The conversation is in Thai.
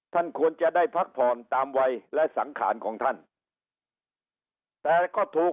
ท่านควรจะได้พักผ่อนตามวัยและสังขารของท่านแต่ก็ถูก